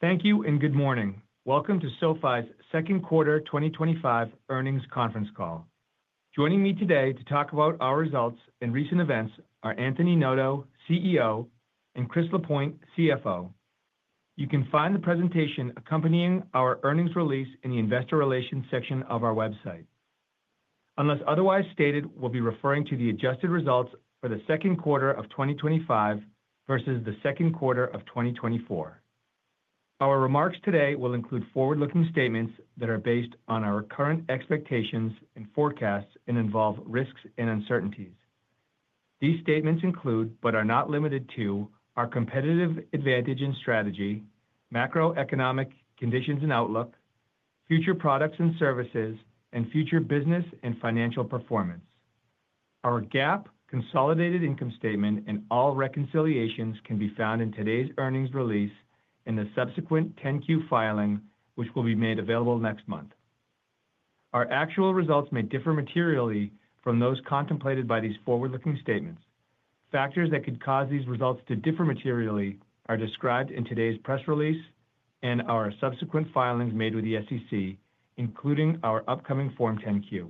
Thank you and good morning. Welcome to SoFi's second quarter 2025 earnings conference call. Joining me today to talk about our results and recent events are Anthony Noto, CEO, and Chris Lapointe, CFO. You can find the presentation accompanying our earnings release in the investor relations section of our website. Unless otherwise stated, we'll be referring to the adjusted results for the second quarter of 2025 versus the second quarter of 2024. Our remarks today will include forward-looking statements that are based on our current expectations and forecasts and involve risks and uncertainties. These statements include, but are not limited to, our competitive advantage and strategy, macroeconomic conditions and outlook, future products and services, and future business and financial performance. Our GAAP consolidated income statement and all reconciliations can be found in today's earnings release and the subsequent 10-Q filing, which will be made available next month. Our actual results may differ materially from those contemplated by these forward-looking statements. Factors that could cause these results to differ materially are described in today's press release and our subsequent filings made with the SEC, including our upcoming Form 10-Q.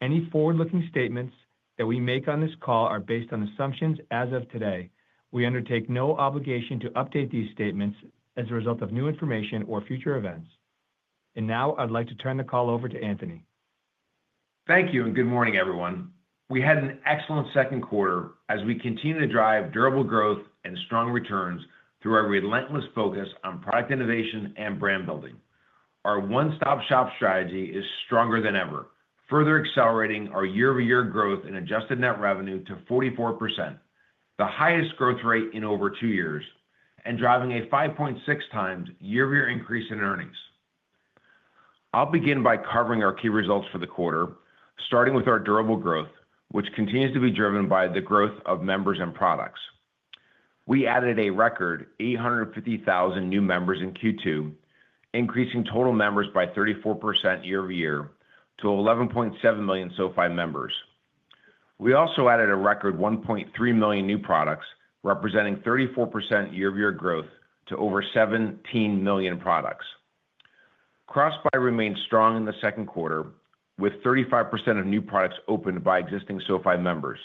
Any forward-looking statements that we make on this call are based on assumptions as of today. We undertake no obligation to update these statements as a result of new information or future events. Now I'd like to turn the call over to Anthony. Thank you and good morning, everyone. We had an excellent second quarter as we continue to drive durable growth and strong returns through our relentless focus on product innovation and brand building. Our one-stop-shop strategy is stronger than ever, further accelerating our year-over-year growth and adjusted net revenue to 44%, the highest growth rate in over two years, and driving a 5.6x year-over-year increase in earnings. I'll begin by covering our key results for the quarter, starting with our durable growth, which continues to be driven by the growth of members and products. We added a record 850,000 new members in Q2, increasing total members by 34% year-over-year to 11.7 million SoFi members. We also added a record 1.3 million new products, representing 34% year-over-year growth to over 17 million products. Cross-Buy remained strong in the second quarter, with 35% of new products opened by existing SoFi members.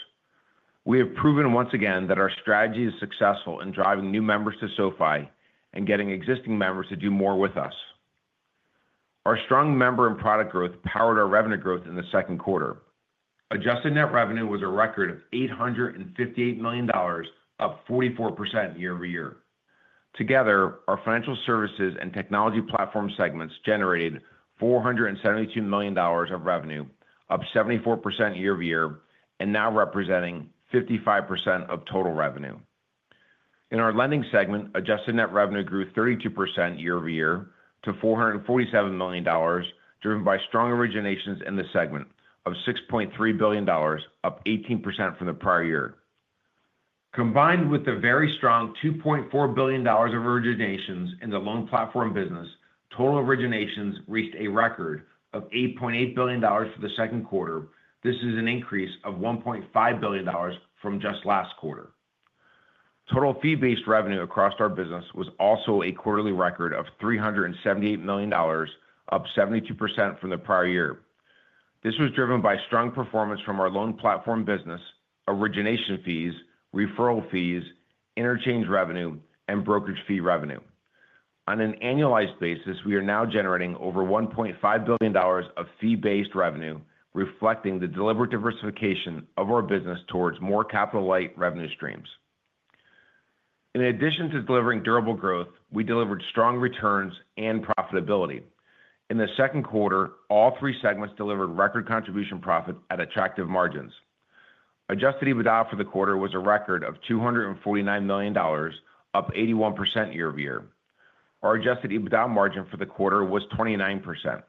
We have proven once again that our strategy is successful in driving new members to SoFi and getting existing members to do more with us. Our strong member and product growth powered our revenue growth in the second quarter. Adjusted net revenue was a record of $858 million, up 44% year-over-year. Together, our financial services and technology platform segments generated $472 million of revenue, up 74% year-over-year, and now representing 55% of total revenue. In our lending segment, adjusted net revenue grew 32% year-over-year to $447 million, driven by strong originations in the segment of $6.3 billion, up 18% from the prior year. Combined with the very strong $2.4 billion of originations in the loan platform business, total originations reached a record of $8.8 billion for the second quarter. This is an increase of $1.5 billion from just last quarter. Total fee-based revenue across our business was also a quarterly record of $378 million, up 72% from the prior year. This was driven by strong performance from our loan platform business, origination fees, referral fees, interchange revenue, and brokerage fee revenue. On an annualized basis, we are now generating over $1.5 billion of fee-based revenue, reflecting the deliberate diversification of our business towards more capital-light revenue streams. In addition to delivering durable growth, we delivered strong returns and profitability. In the second quarter, all three segments delivered record contribution profit at attractive margins. Adjusted EBITDA for the quarter was a record of $249 million, up 81% year-over-year. Our adjusted EBITDA margin for the quarter was 29%.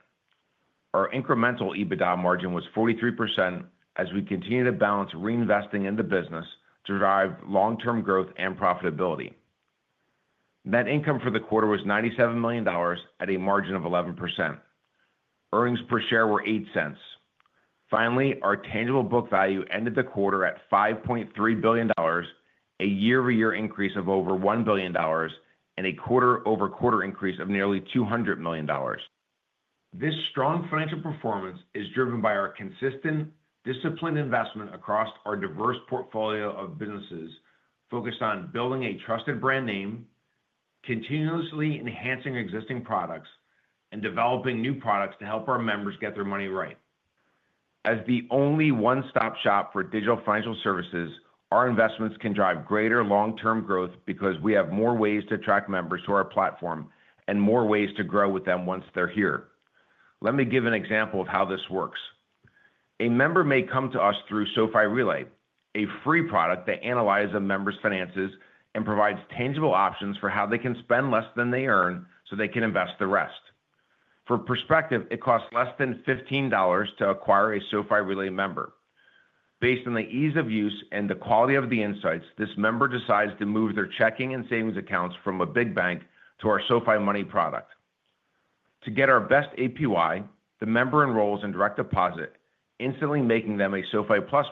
Our incremental EBITDA margin was 43% as we continue to balance reinvesting in the business to drive long-term growth and profitability. Net income for the quarter was $97 million at a margin of 11%. Earnings per share were $0.08. Finally, our tangible book value ended the quarter at $5.3 billion, a year-over-year increase of over $1 billion, and a quarter-over-quarter increase of nearly $200 million. This strong financial performance is driven by our consistent, disciplined investment across our diverse portfolio of businesses focused on building a trusted brand name, continuously enhancing existing products, and developing new products to help our members get their money right. As the only one-stop shop for digital financial services, our investments can drive greater long-term growth because we have more ways to attract members to our platform and more ways to grow with them once they're here. Let me give an example of how this works. A member may come to us through SoFi Relay, a free product that analyzes a member's finances and provides tangible options for how they can spend less than they earn so they can invest the rest. For perspective, it costs less than $15 to acquire a SoFi Relay member. Based on the ease of use and the quality of the insights, this member decides to move their checking and savings accounts from a big bank to our SoFi Money product. To get our best APY, the member enrolls in direct deposit, instantly making them a SoFi Plus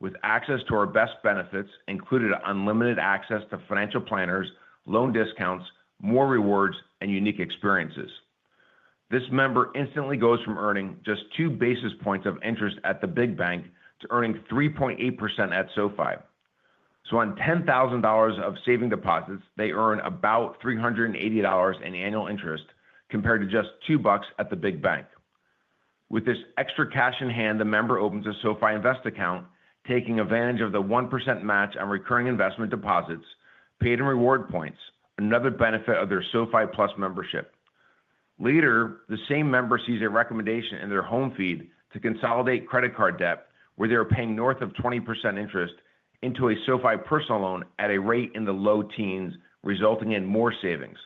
member with access to our best benefits, including unlimited access to financial planners, loan discounts, more rewards, and unique experiences. This member instantly goes from earning just two basis points of interest at the big bank to earning 3.8% at SoFi. On $10,000 of saving deposits, they earn about $380 in annual interest compared to just two bucks at the big bank. With this extra cash in hand, the member opens a SoFi Invest account, taking advantage of the 1% match on recurring investment deposits, paid in reward points, another benefit of their SoFi Plus membership. Later, the same member sees a recommendation in their home feed to consolidate credit card debt, where they are paying north of 20% interest, into a SoFi personal loan at a rate in the low teens, resulting in more savings.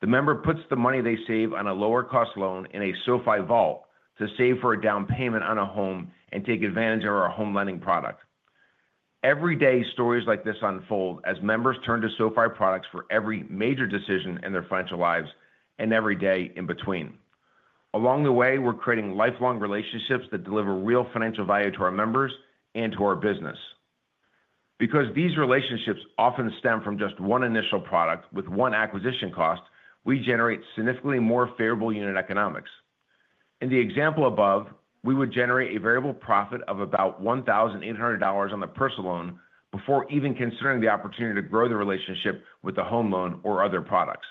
The member puts the money they save on a lower-cost loan in a SoFi Vault to save for a down payment on a home and take advantage of our home lending product. Every day, stories like this unfold as members turn to SoFi products for every major decision in their financial lives and every day in between. Along the way, we're creating lifelong relationships that deliver real financial value to our members and to our business. Because these relationships often stem from just one initial product with one acquisition cost, we generate significantly more favorable unit economics. In the example above, we would generate a variable profit of about $1,800 on the personal loan before even considering the opportunity to grow the relationship with the home loan or other products.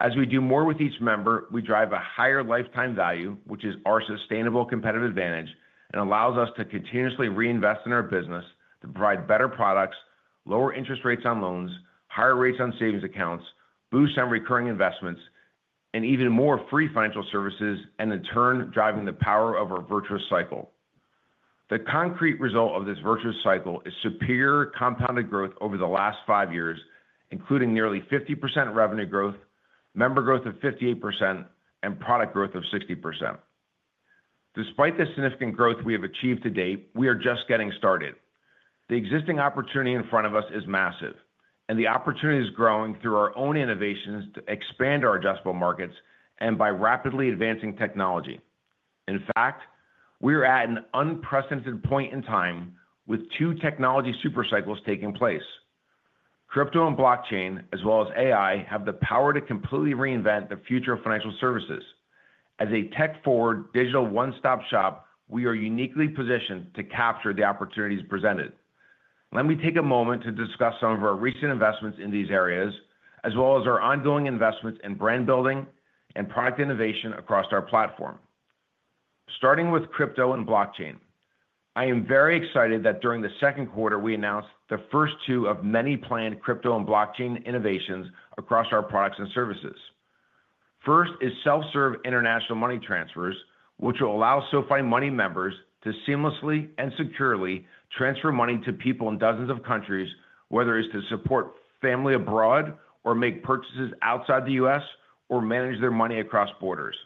As we do more with each member, we drive a higher lifetime value, which is our sustainable competitive advantage and allows us to continuously reinvest in our business to provide better products, lower interest rates on loans, higher rates on savings accounts, boost on recurring investments, and even more free financial services, and in turn, driving the power of our virtuous cycle. The concrete result of this virtuous cycle is superior compounded growth over the last five years, including nearly 50% revenue growth, member growth of 58%, and product growth of 60%. Despite the significant growth we have achieved to date, we are just getting started. The existing opportunity in front of us is massive, and the opportunity is growing through our own innovations to expand our adjustable markets and by rapidly advancing technology. In fact, we are at an unprecedented point in time with two technology supercycles taking place. Crypto and blockchain, as well as AI, have the power to completely reinvent the future of financial services. As a tech-forward digital one-stop shop, we are uniquely positioned to capture the opportunities presented. Let me take a moment to discuss some of our recent investments in these areas, as well as our ongoing investments in brand building and product innovation across our platform. Starting with crypto and blockchain, I am very excited that during the second quarter, we announced the first two of many planned crypto and blockchain innovations across our products and services. First is self-serve international money transfers, which will allow SoFi Money members to seamlessly and securely transfer money to people in dozens of countries, whether it is to support family abroad or make purchases outside the U.S. or manage their money across borders.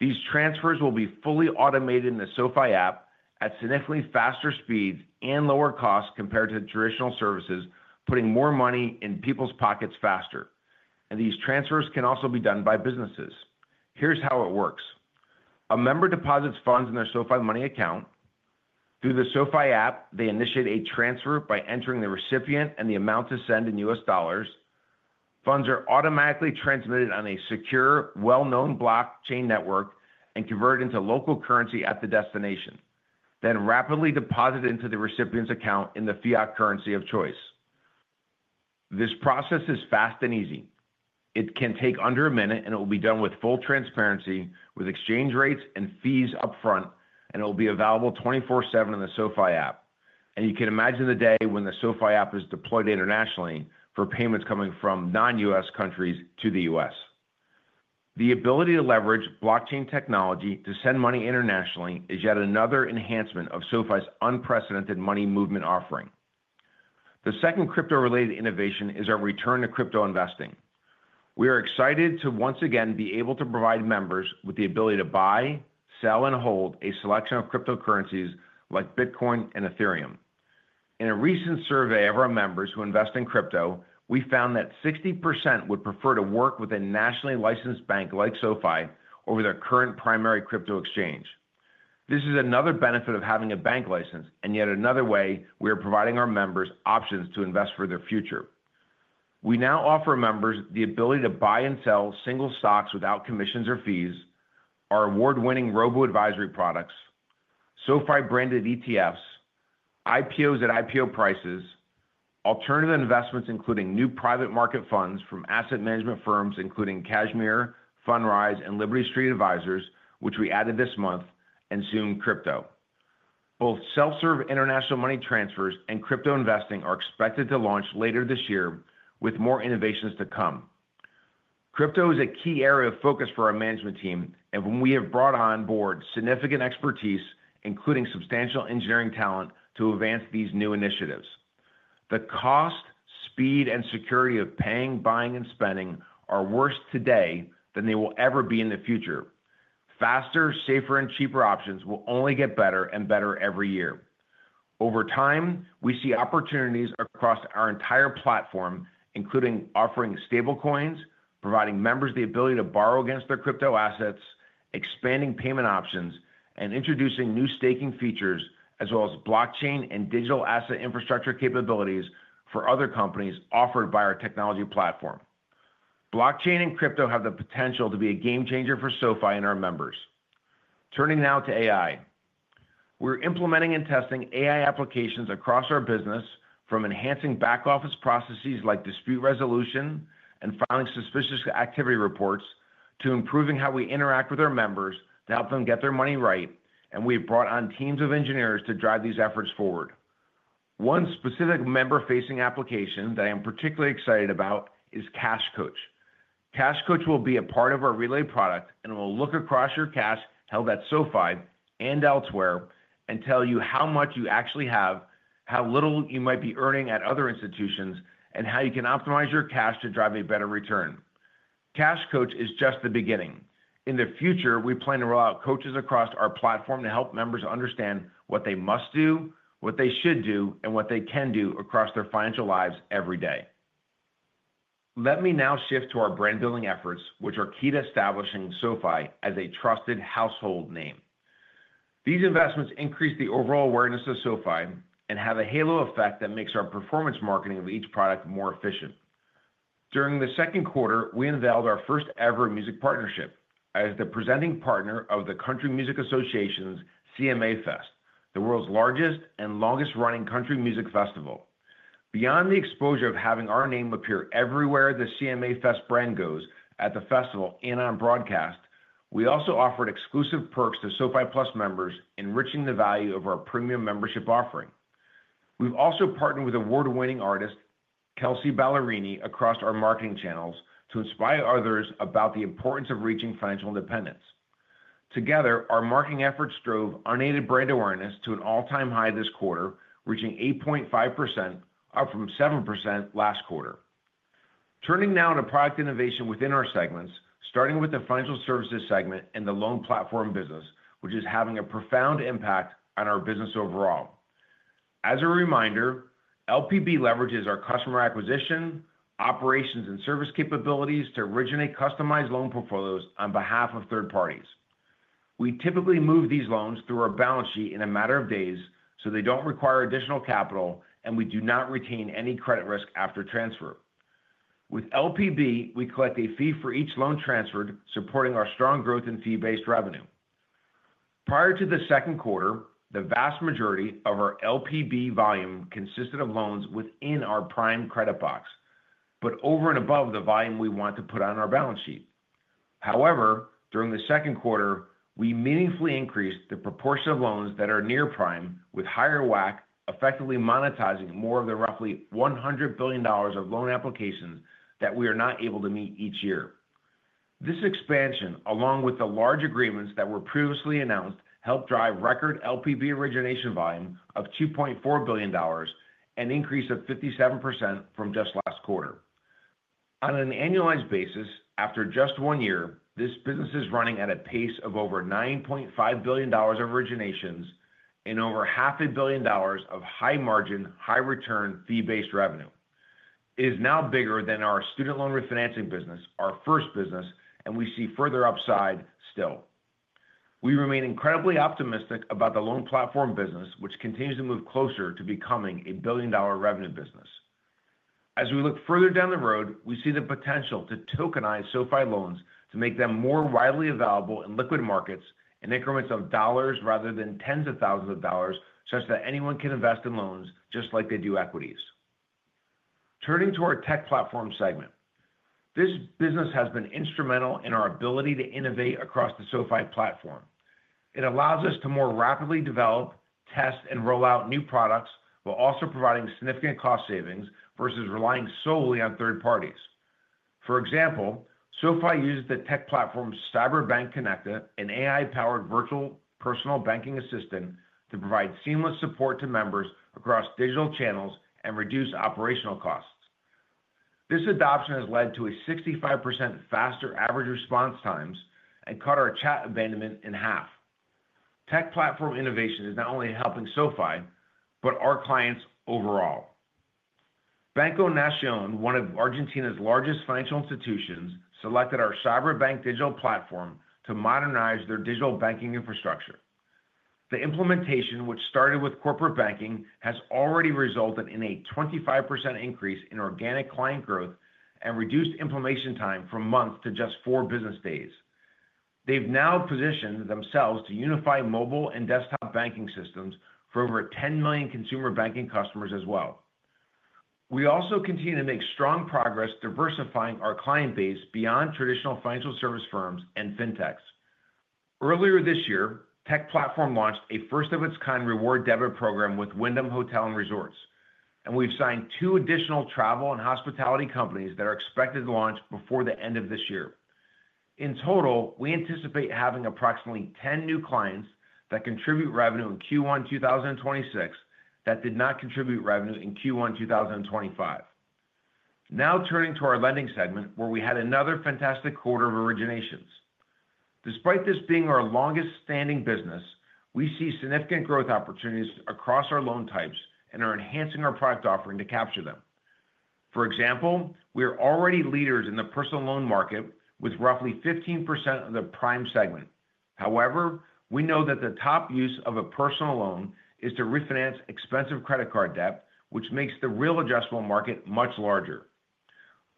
These transfers will be fully automated in the SoFi app at significantly faster speeds and lower costs compared to traditional services, putting more money in people's pockets faster. These transfers can also be done by businesses. Here is how it works. A member deposits funds in their SoFi Money account. Through the SoFi app, they initiate a transfer by entering the recipient and the amount to send in U.S. dollars. Funds are automatically transmitted on a secure, well-known blockchain network and converted into local currency at the destination, then rapidly deposited into the recipient's account in the fiat currency of choice. This process is fast and easy. It can take under a minute, and it will be done with full transparency, with exchange rates and fees upfront, and it will be available 24/7 in the SoFi app. You can imagine the day when the SoFi app is deployed internationally for payments coming from non-U.S. countries to the U.S. The ability to leverage blockchain technology to send money internationally is yet another enhancement of SoFi's unprecedented money movement offering. The second crypto-related innovation is our return to crypto investing. We are excited to once again be able to provide members with the ability to buy, sell, and hold a selection of cryptocurrencies like Bitcoin and Ethereum. In a recent survey of our members who invest in crypto, we found that 60% would prefer to work with a nationally licensed bank like SoFi over their current primary crypto exchange. This is another benefit of having a bank license, and yet another way we are providing our members options to invest for their future. We now offer members the ability to buy and sell single stocks without commissions or fees, our award-winning robo-advisory products, SoFi branded ETFs, IPOs at IPO prices, alternative investments including new private market funds from asset management firms including Cashmere, Fundrise, and Liberty Street Advisors, which we added this month, and soon crypto. Both self-serve international money transfers and crypto investing are expected to launch later this year with more innovations to come. Crypto is a key area of focus for our management team, and we have brought on board significant expertise, including substantial engineering talent, to advance these new initiatives. The cost, speed, and security of paying, buying, and spending are worse today than they will ever be in the future. Faster, safer, and cheaper options will only get better and better every year. Over time, we see opportunities across our entire platform, including offering stablecoins, providing members the ability to borrow against their crypto assets, expanding payment options, and introducing new staking features, as well as blockchain and digital asset infrastructure capabilities for other companies offered by our technology platform. Blockchain and crypto have the potential to be a game changer for SoFi and our members. Turning now to AI. We're implementing and testing AI applications across our business, from enhancing back-office processes like dispute resolution and filing suspicious activity reports to improving how we interact with our members to help them get their money right. We've brought on teams of engineers to drive these efforts forward. One specific member-facing application that I am particularly excited about is Cash Coach. Cash Coach will be a part of our Relay product and will look across your cash held at SoFi and elsewhere and tell you how much you actually have, how little you might be earning at other institutions, and how you can optimize your cash to drive a better return. Cash Coach is just the beginning. In the future, we plan to roll out coaches across our platform to help members understand what they must do, what they should do, and what they can do across their financial lives every day. Let me now shift to our brand-building efforts, which are key to establishing SoFi as a trusted household name. These investments increase the overall awareness of SoFi and have a halo effect that makes our performance marketing of each product more efficient. During the second quarter, we unveiled our first-ever music partnership as the presenting partner of the Country Music Association's CMA Fest, the world's largest and longest-running country music festival. Beyond the exposure of having our name appear everywhere the CMA Fest brand goes at the festival and on broadcast, we also offered exclusive perks to SoFi Plus members, enriching the value of our premium membership offering. We've also partnered with award-winning artist Kelsea Ballerini across our marketing channels to inspire others about the importance of reaching financial independence. Together, our marketing efforts drove unaided brand awareness to an all-time high this quarter, reaching 8.5%, up from 7% last quarter. Turning now to product innovation within our segments, starting with the financial services segment and the Loan Platform Business, which is having a profound impact on our business overall. As a reminder, LPB leverages our customer acquisition, operations, and service capabilities to originate customized loan portfolios on behalf of third parties. We typically move these loans through our balance sheet in a matter of days so they don't require additional capital, and we do not retain any credit risk after transfer. With LPB, we collect a fee for each loan transferred, supporting our strong growth in fee-based revenue. Prior to the second quarter, the vast majority of our LPB volume consisted of loans within our prime credit box, but over and above the volume we want to put on our balance sheet. However, during the second quarter, we meaningfully increased the proportion of loans that are near prime with higher WAC, effectively monetizing more of the roughly $100 billion of loan applications that we are not able to meet each year. This expansion, along with the large agreements that were previously announced, helped drive record LPB origination volume of $2.4 billion, an increase of 57% from just last quarter. On an annualized basis, after just one year, this business is running at a pace of over $9.5 billion of originations and over $0.5 billion of high-margin, high-return, fee-based revenue. It is now bigger than our student loan refinancing business, our first business, and we see further upside still. We remain incredibly optimistic about the Loan Platform Business, which continues to move closer to becoming a billion-dollar revenue business. As we look further down the road, we see the potential to tokenize SoFi loans to make them more widely available in liquid markets in increments of dollars rather than tens of thousands of dollars, such that anyone can invest in loans just like they do equities. Turning to our tech platform segment, this business has been instrumental in our ability to innovate across the SoFi platform. It allows us to more rapidly develop, test, and roll out new products while also providing significant cost savings versus relying solely on third parties. For example, SoFi uses the tech platform Cyberbank Konecta, an AI-powered virtual personal banking assistant, to provide seamless support to members across digital channels and reduce operational costs. This adoption has led to a 65% faster average response times and cut our chat abandonment in half. Tech platform innovation is not only helping SoFi, but our clients overall. Banco de la Nación Argentina, one of Argentina's largest financial institutions, selected our Cyberbank Digital platform to modernize their digital banking infrastructure. The implementation, which started with corporate banking, has already resulted in a 25% increase in organic client growth and reduced implementation time from months to just four business days. They've now positioned themselves to unify mobile and desktop banking systems for over 10 million consumer banking customers as well. We also continue to make strong progress diversifying our client base beyond traditional financial service firms and fintechs. Earlier this year, tech platform launched a first-of-its-kind reward debit program with Wyndham Hotels & Resorts, and we've signed two additional travel and hospitality companies that are expected to launch before the end of this year. In total, we anticipate having approximately 10 new clients that contribute revenue in Q1 2026 that did not contribute revenue in Q1 2025. Now turning to our lending segment, where we had another fantastic quarter of originations. Despite this being our longest-standing business, we see significant growth opportunities across our loan types and are enhancing our product offering to capture them. For example, we are already leaders in the personal loan market with roughly 15% of the prime segment. However, we know that the top use of a personal loan is to refinance expensive credit card debt, which makes the real adjustable market much larger.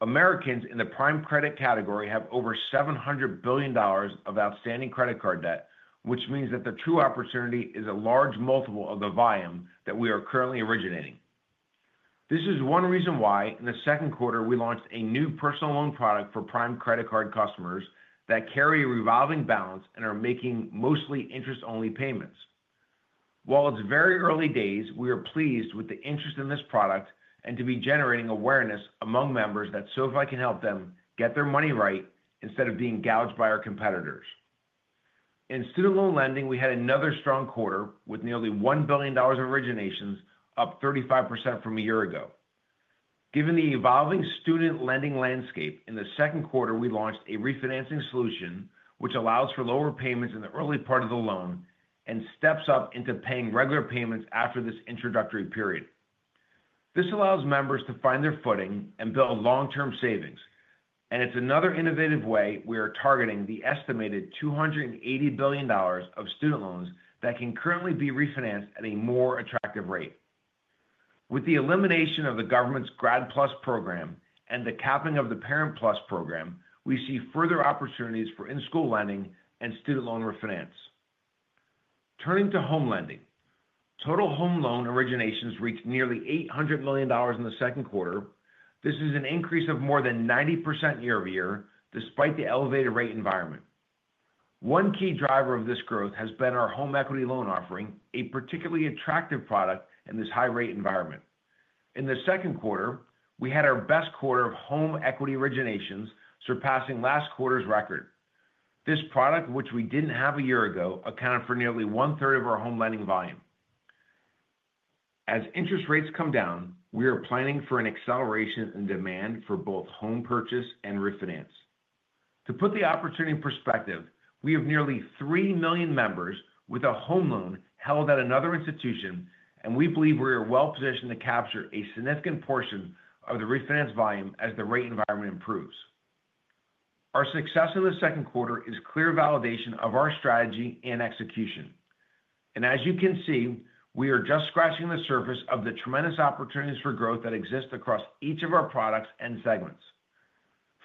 Americans in the prime credit category have over $700 billion of outstanding credit card debt, which means that the true opportunity is a large multiple of the volume that we are currently originating. This is one reason why in the second quarter we launched a new personal loan product for prime credit card customers that carry a revolving balance and are making mostly interest-only payments. While it's very early days, we are pleased with the interest in this product and to be generating awareness among members that SoFi can help them get their money right instead of being gouged by our competitors. In student loan lending, we had another strong quarter with nearly $1 billion of originations, up 35% from a year ago. Given the evolving student lending landscape, in the second quarter, we launched a refinancing solution, which allows for lower payments in the early part of the loan and steps up into paying regular payments after this introductory period. This allows members to find their footing and build long-term savings. It is another innovative way we are targeting the estimated $280 billion of student loans that can currently be refinanced at a more attractive rate. With the elimination of the government's Grad PLUS program and the capping of the Parent PLUS program, we see further opportunities for in-school lending and student loan refinance. Turning to home lending, total home loan originations reached nearly $800 million in the second quarter. This is an increase of more than 90% year-over-year despite the elevated rate environment. One key driver of this growth has been our home equity loan offering, a particularly attractive product in this high-rate environment. In the second quarter, we had our best quarter of home equity originations surpassing last quarter's record. This product, which we did not have a year ago, accounted for nearly one-third of our home lending volume. As interest rates come down, we are planning for an acceleration in demand for both home purchase and refinance. To put the opportunity in perspective, we have nearly 3 million members with a home loan held at another institution, and we believe we are well-positioned to capture a significant portion of the refinance volume as the rate environment improves. Our success in the second quarter is clear validation of our strategy and execution. As you can see, we are just scratching the surface of the tremendous opportunities for growth that exist across each of our products and segments.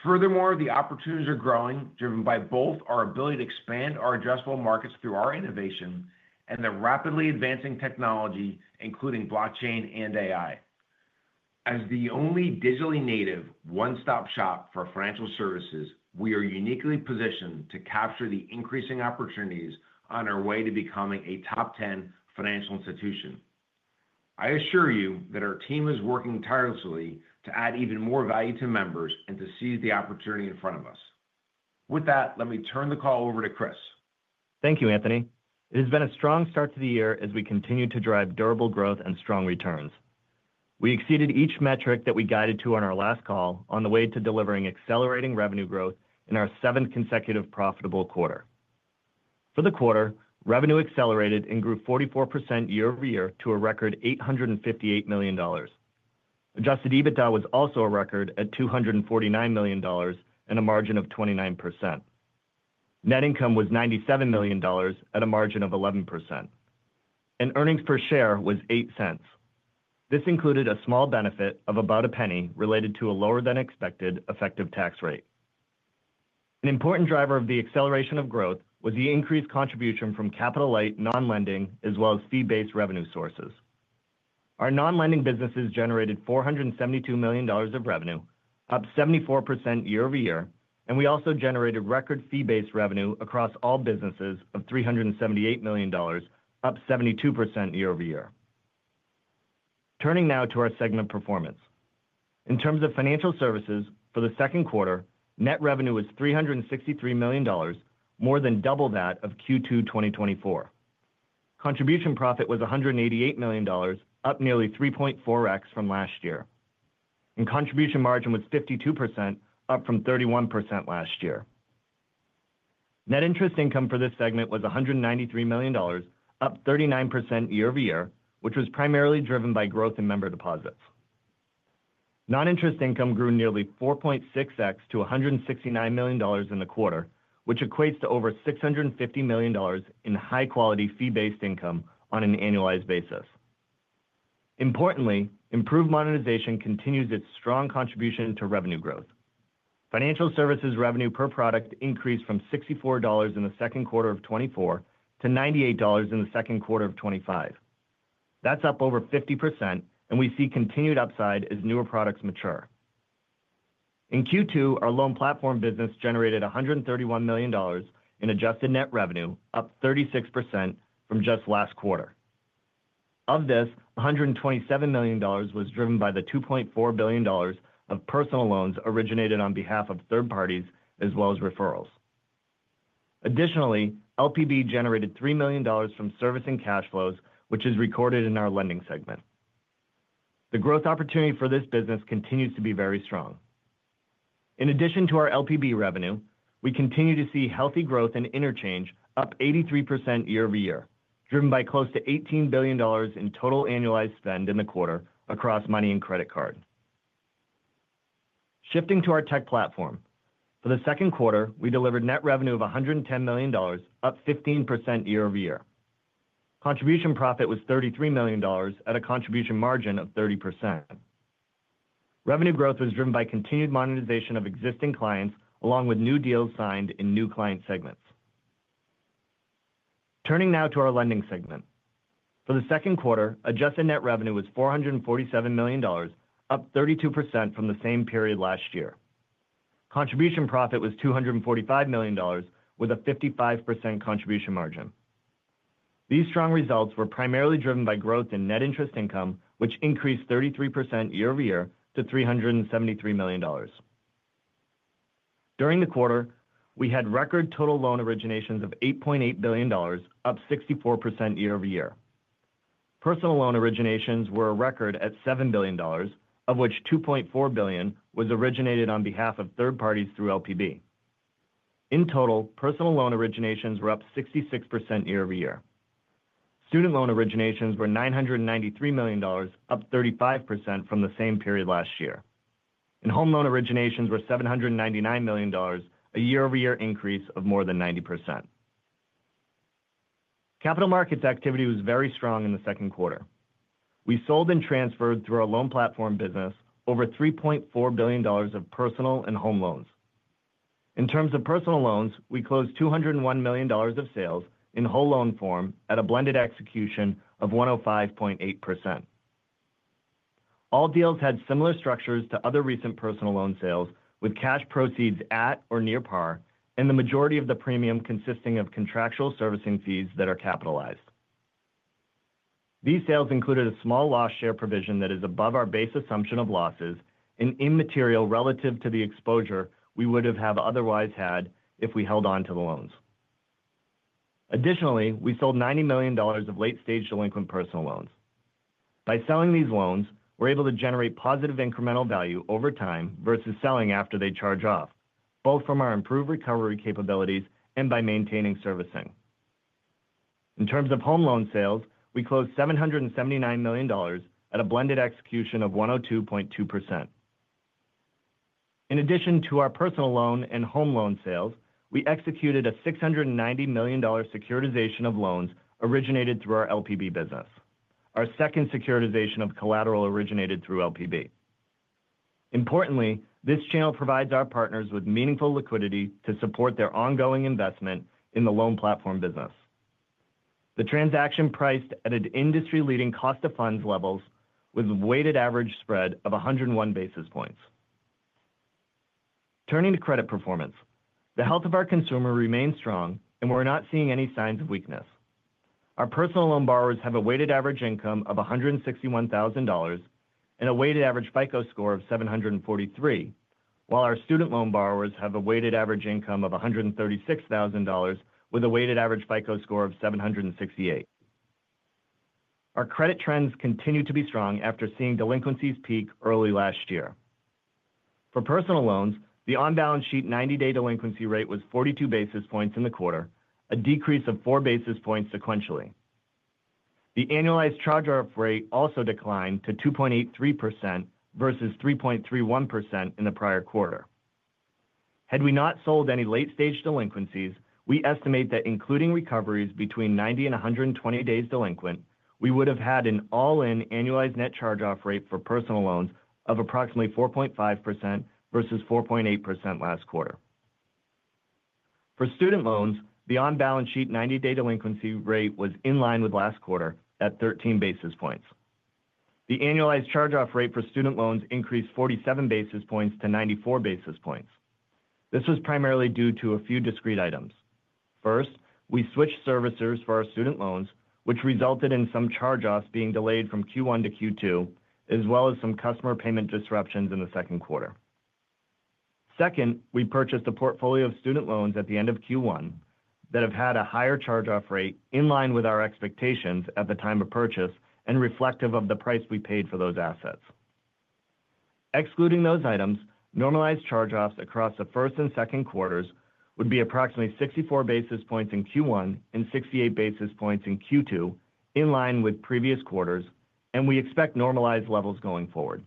Furthermore, the opportunities are growing, driven by both our ability to expand our adjustable markets through our innovation and the rapidly advancing technology, including blockchain and AI. As the only digitally native one-stop shop for financial services, we are uniquely positioned to capture the increasing opportunities on our way to becoming a top 10 financial institution. I assure you that our team is working tirelessly to add even more value to members and to seize the opportunity in front of us. With that, let me turn the call over to Chris. Thank you, Anthony. It has been a strong start to the year as we continue to drive durable growth and strong returns. We exceeded each metric that we guided to on our last call on the way to delivering accelerating revenue growth in our seventh consecutive profitable quarter. For the quarter, revenue accelerated and grew 44% year-over-year to a record $858 million. Adjusted EBITDA was also a record at $249 million and a margin of 29%. Net income was $97 million at a margin of 11%. Earnings per share was $0.08. This included a small benefit of about $0.01 related to a lower-than-expected effective tax rate. An important driver of the acceleration of growth was the increased contribution from capital-light non-lending as well as fee-based revenue sources. Our non-lending businesses generated $472 million of revenue, up 74% year-over-year, and we also generated record fee-based revenue across all businesses of $378 million, up 72% year-over-year. Turning now to our segment performance. In terms of financial services, for the second quarter, net revenue was $363 million, more than double that of Q2 2024. Contribution profit was $188 million, up nearly 3.4x from last year. Contribution margin was 52%, up from 31% last year. Net interest income for this segment was $193 million, up 39% year-over-year, which was primarily driven by growth in member deposits. Non-interest income grew nearly 4.6x to $169 million in the quarter, which equates to over $650 million in high-quality fee-based income on an annualized basis. Importantly, improved monetization continues its strong contribution to revenue growth. Financial services revenue per product increased from $64 in the second quarter of 2024 to $98 in the second quarter of 2025. That is up over 50%, and we see continued upside as newer products mature. In Q2, our Loan Platform Business generated $131 million in adjusted net revenue, up 36% from just last quarter. Of this, $127 million was driven by the $2.4 billion of personal loans originated on behalf of third parties as well as referrals. Additionally, LPB generated $3 million from servicing cash flows, which is recorded in our lending segment. The growth opportunity for this business continues to be very strong. In addition to our LPB revenue, we continue to see healthy growth in interchange, up 83% year-over-year, driven by close to $18 billion in total annualized spend in the quarter across money and credit card. Shifting to our tech platform, for the second quarter, we delivered net revenue of $110 million, up 15% year-over-year. Contribution profit was $33 million at a contribution margin of 30%. Revenue growth was driven by continued monetization of existing clients, along with new deals signed in new client segments. Turning now to our lending segment. For the second quarter, adjusted net revenue was $447 million, up 32% from the same period last year. Contribution profit was $245 million, with a 55% contribution margin. These strong results were primarily driven by growth in net interest income, which increased 33% year-over-year to $373 million. During the quarter, we had record total loan originations of $8.8 billion, up 64% year-over-year. Personal loan originations were a record at $7 billion, of which $2.4 billion was originated on behalf of third parties through LPB. In total, personal loan originations were up 66% year-over-year. Student loan originations were $993 million, up 35% from the same period last year. And home loan originations were $799 million, a year-over-year increase of more than 90%. Capital markets activity was very strong in the second quarter. We sold and transferred through our loan platform business over $3.4 billion of personal and home loans. In terms of personal loans, we closed $201 million of sales in whole loan form at a blended execution of 105.8%. All deals had similar structures to other recent personal loan sales, with cash proceeds at or near par, and the majority of the premium consisting of contractual servicing fees that are capitalized. These sales included a small loss share provision that is above our base assumption of losses and immaterial relative to the exposure we would have otherwise had if we held on to the loans. Additionally, we sold $90 million of late-stage delinquent personal loans. By selling these loans, we're able to generate positive incremental value over time versus selling after they charge off, both from our improved recovery capabilities and by maintaining servicing. In terms of home loan sales, we closed $779 million at a blended execution of 102.2%. In addition to our personal loan and home loan sales, we executed a $690 million securitization of loans originated through our LPB business, our second securitization of collateral originated through LPB. Importantly, this channel provides our partners with meaningful liquidity to support their ongoing investment in the Loan Platform Business. The transaction priced at an industry-leading cost-of-funds levels with a weighted average spread of 101 basis points. Turning to credit performance, the health of our consumer remains strong, and we're not seeing any signs of weakness. Our personal loan borrowers have a weighted average income of $161,000 and a weighted average FICO score of 743, while our student loan borrowers have a weighted average income of $136,000 with a weighted average FICO score of 768. Our credit trends continue to be strong after seeing delinquencies peak early last year. For personal loans, the on-balance sheet 90-day delinquency rate was 42 basis points in the quarter, a decrease of 4 basis points sequentially. The annualized charge-off rate also declined to 2.83% versus 3.31% in the prior quarter. Had we not sold any late-stage delinquencies, we estimate that including recoveries between 90 and 120 days delinquent, we would have had an all-in annualized net charge-off rate for personal loans of approximately 4.5% versus 4.8% last quarter. For student loans, the on-balance sheet 90-day delinquency rate was in line with last quarter at 13 basis points. The annualized charge-off rate for student loans increased 47 basis points to 94 basis points. This was primarily due to a few discrete items. First, we switched servicers for our student loans, which resulted in some charge-offs being delayed from Q1 to Q2, as well as some customer payment disruptions in the second quarter. Second, we purchased a portfolio of student loans at the end of Q1 that have had a higher charge-off rate in line with our expectations at the time of purchase and reflective of the price we paid for those assets. Excluding those items, normalized charge-offs across the first and second quarters would be approximately 64 basis points in Q1 and 68 basis points in Q2, in line with previous quarters, and we expect normalized levels going forward.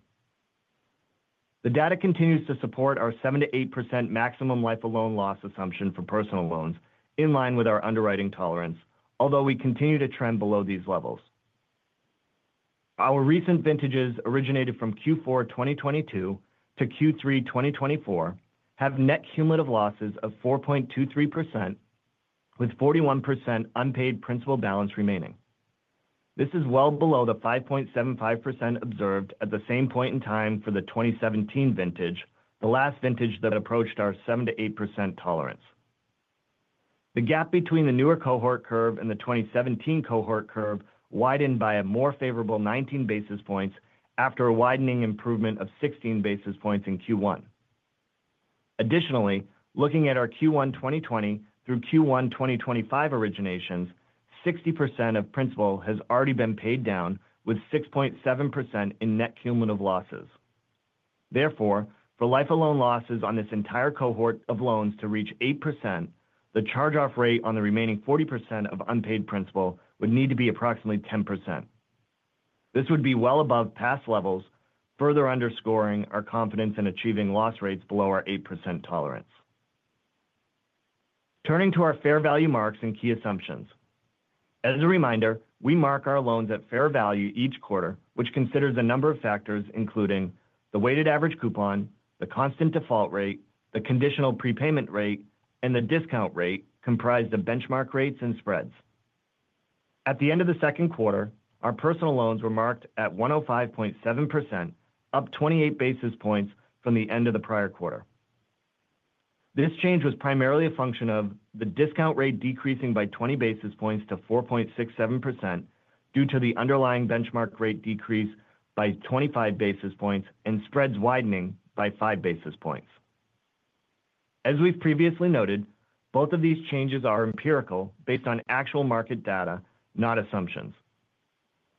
The data continues to support our 7%-8% maximum life of loan loss assumption for personal loans in line with our underwriting tolerance, although we continue to trend below these levels. Our recent vintages originated from Q4 2022 to Q3 2024 have net cumulative losses of 4.23%, with 41% unpaid principal balance remaining. This is well below the 5.75% observed at the same point in time for the 2017 vintage, the last vintage that approached our 7%-8% tolerance. The gap between the newer cohort curve and the 2017 cohort curve widened by a more favorable 19 basis points after a widening improvement of 16 basis points in Q1. Additionally, looking at our Q1 2020 through Q1 2025 originations, 60% of principal has already been paid down with 6.7% in net cumulative losses. Therefore, for life of loan losses on this entire cohort of loans to reach 8%, the charge-off rate on the remaining 40% of unpaid principal would need to be approximately 10%. This would be well above past levels, further underscoring our confidence in achieving loss rates below our 8% tolerance. Turning to our fair value marks and key assumptions. As a reminder, we mark our loans at fair value each quarter, which considers a number of factors, including the weighted average coupon, the constant default rate, the conditional prepayment rate, and the discount rate, comprised of benchmark rates and spreads. At the end of the second quarter, our personal loans were marked at 105.7%, up 28 basis points from the end of the prior quarter. This change was primarily a function of the discount rate decreasing by 20 basis points to 4.67% due to the underlying benchmark rate decrease by 25 basis points and spreads widening by 5 basis points. As we have previously noted, both of these changes are empirical based on actual market data, not assumptions.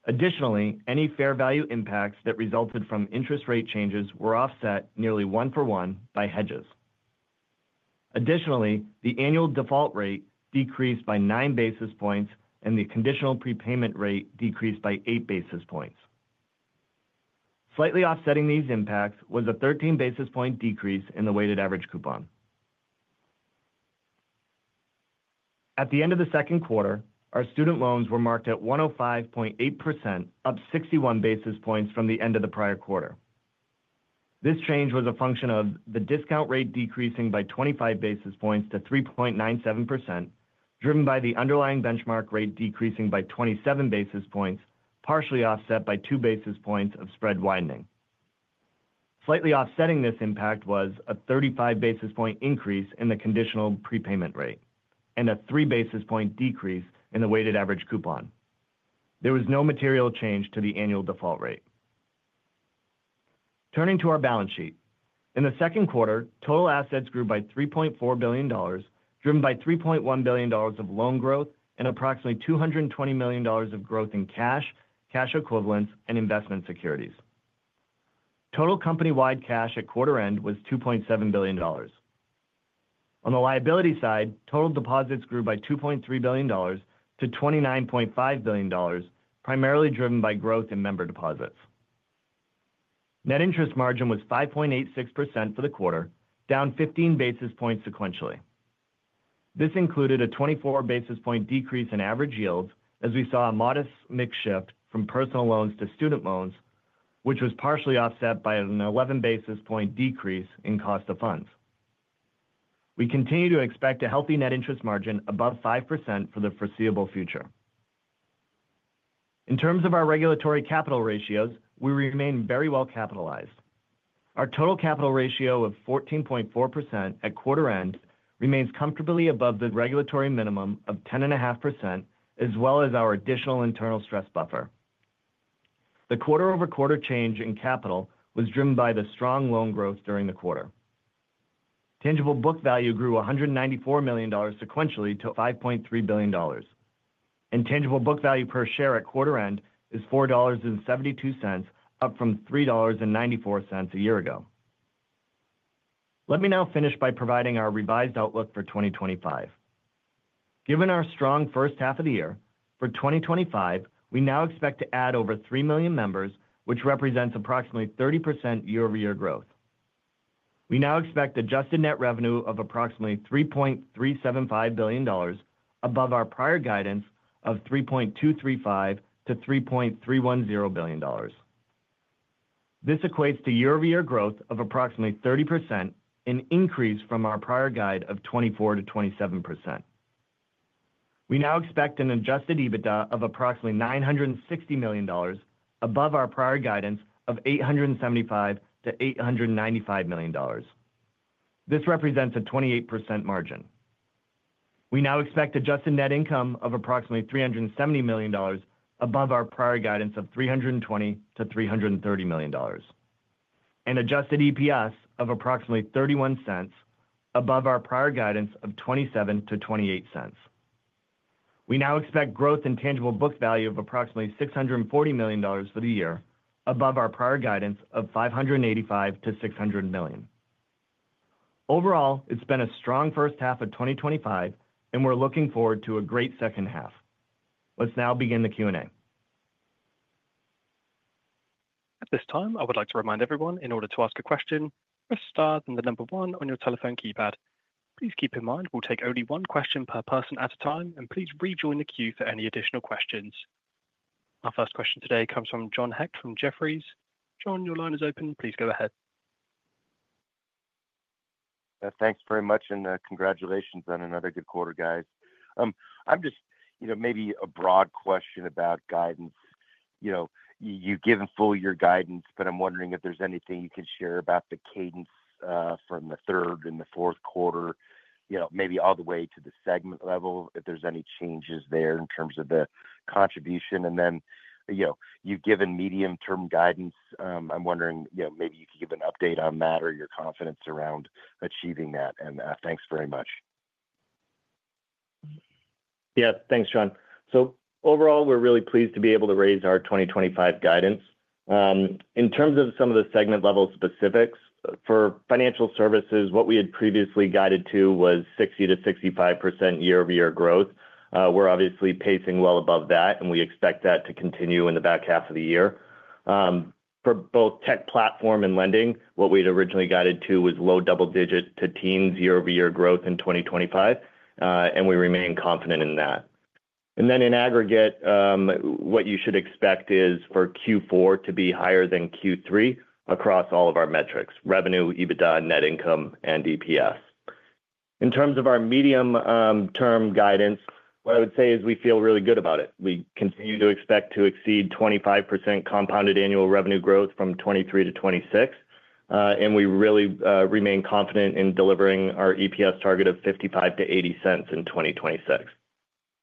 Additionally, any fair value impacts that resulted from interest rate changes were offset nearly one-for-one by hedges. Additionally, the annual default rate decreased by 9 basis points and the conditional prepayment rate decreased by 8 basis points. Slightly offsetting these impacts was a 13 basis point decrease in the weighted average coupon. At the end of the second quarter, our student loans were marked at 105.8%, up 61 basis points from the end of the prior quarter. This change was a function of the discount rate decreasing by 25 basis points to 3.97%, driven by the underlying benchmark rate decreasing by 27 basis points, partially offset by 2 basis points of spread widening. Slightly offsetting this impact was a 35 basis point increase in the conditional prepayment rate and a 3 basis point decrease in the weighted average coupon. There was no material change to the annual default rate. Turning to our balance sheet, in the second quarter, total assets grew by $3.4 billion, driven by $3.1 billion of loan growth and approximately $220 million of growth in cash, cash equivalents, and investment securities. Total company-wide cash at quarter-end was $2.7 billion. On the liability side, total deposits grew by $2.3 billion to $29.5 billion, primarily driven by growth in member deposits. Net interest margin was 5.86% for the quarter, down 15 basis points sequentially. This included a 24 basis point decrease in average yields, as we saw a modest mix shift from personal loans to student loans, which was partially offset by an 11 basis point decrease in cost of funds. We continue to expect a healthy net interest margin above 5% for the foreseeable future. In terms of our regulatory capital ratios, we remain very well capitalized. Our total capital ratio of 14.4% at quarter-end remains comfortably above the regulatory minimum of 10.5%, as well as our additional internal stress buffer. The quarter-over-quarter change in capital was driven by the strong loan growth during the quarter. Tangible book value grew $194 million sequentially to $5.3 billion. Tangible book value per share at quarter-end is $4.72, up from $3.94 a year ago. Let me now finish by providing our revised outlook for 2025. Given our strong first half of the year, for 2025, we now expect to add over 3 million members, which represents approximately 30% year-over-year growth. We now expect adjusted net revenue of approximately $3.375 billion, above our prior guidance of $3.235 billion-$3.310 billion. This equates to year-over-year growth of approximately 30%, an increase from our prior guide of 24 to 27%. We now expect an adjusted EBITDA of approximately $960 million, above our prior guidance of $875 million-$895 million. This represents a 28% margin. We now expect adjusted net income of approximately $370 million, above our prior guidance of $320 million-$330 million. Adjusted EPS of approximately $0.31, above our prior guidance of $0.27-$0.28. We now expect growth in tangible book value of approximately $640 million for the year, above our prior guidance of $585 million-$600 million. Overall, it's been a strong first half of 2025, and we're looking forward to a great second half. Let's now begin the Q&A. At this time, I would like to remind everyone, in order to ask a question, press star then the number one on your telephone keypad. Please keep in mind we'll take only one question per person at a time, and please rejoin the queue for any additional questions. Our first question today comes from John Heck from Jefferies. John, your line is open. Please go ahead. Thanks very much and congratulations on another good quarter, guys. I'm just, you know, maybe a broad question about guidance. You give in full your guidance, but I'm wondering if there's anything you can share about the cadence from the third and the fourth quarter, maybe all the way to the segment level, if there's any changes there in terms of the contribution. And then, you've given medium-term guidance. I'm wondering, you know, maybe you could give an update on that or your confidence around achieving that. And thanks very much. Yeah, thanks, John. So overall, we're really pleased to be able to raise our 2025 guidance. In terms of some of the segment-level specifics, for financial services, what we had previously guided to was 60%-65% year-over-year growth. We're obviously pacing well above that, and we expect that to continue in the back half of the year. For both tech platform and lending, what we had originally guided to was low double-digit to teens year-over-year growth in 2025, and we remain confident in that. And then in aggregate, what you should expect is for Q4 to be higher than Q3 across all of our metrics: revenue, EBITDA, net income, and EPS. In terms of our medium-term guidance, what I would say is we feel really good about it. We continue to expect to exceed 25% compounded annual revenue growth from 2023 to 2026. And we really remain confident in delivering our EPS target of $0.55-$0.80 in 2026.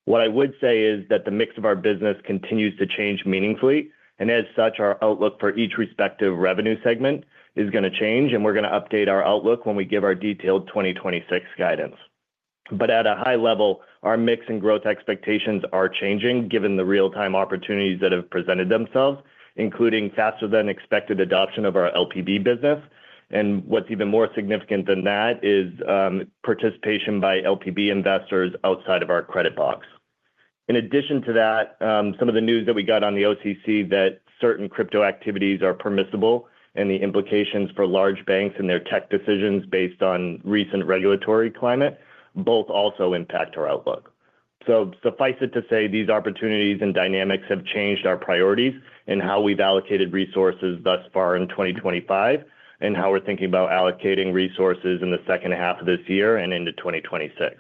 What I would say is that the mix of our business continues to change meaningfully, and as such, our outlook for each respective revenue segment is going to change, and we're going to update our outlook when we give our detailed 2026 guidance. At a high level, our mix and growth expectations are changing, given the real-time opportunities that have presented themselves, including faster-than-expected adoption of our LPB business. What's even more significant than that is participation by LPB investors outside of our credit box. In addition to that, some of the news that we got on the OCC that certain crypto activities are permissible and the implications for large banks and their tech decisions based on recent regulatory climate, both also impact our outlook. Suffice it to say, these opportunities and dynamics have changed our priorities and how we've allocated resources thus far in 2025 and how we're thinking about allocating resources in the second half of this year and into 2026.